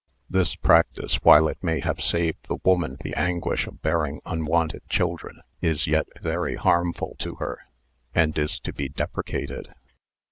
This practice, while it may have saved the woman the anguish of bearing unwanted children IS yet very harmful to her, and is to be deprecated.